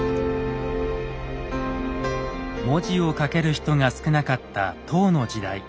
文字を書ける人が少なかった唐の時代。